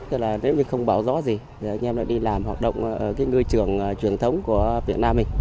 thế là nếu như không bão gió gì thì anh em lại đi làm hoạt động ngư trường truyền thống của việt nam mình